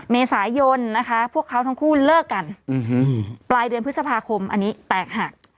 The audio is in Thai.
เมษายนนะคะพวกเขาทั้งคู่เลิกกันปลายเดือนพฤษภาคมอันนี้แตกหัก